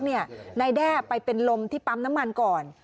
นายแด้ไปเป็นลมที่ปั๊มน้ำมันก่อน